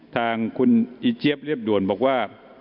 ทางคุณอีเจี๊ยบเรียบด่วนบอกว่า